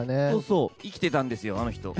生きてたんですよ、あの人。